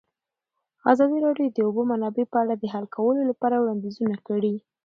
ازادي راډیو د د اوبو منابع په اړه د حل کولو لپاره وړاندیزونه کړي.